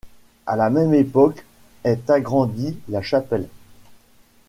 À la même époque est agrandie la chapelle.